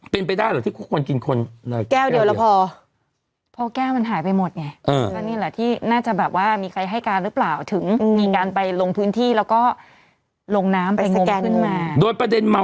เป็นไปได้หรือที่คนกินคน